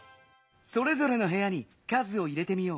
それぞれのへやに数を入れてみよう。